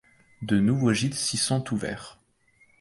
De nouveaux gîtes s'y sont ouverts.